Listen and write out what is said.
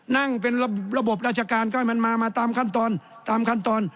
นั่งเป็นระบบราชการก็ให้มันมามาตามขั้นตอนตามขั้นตอน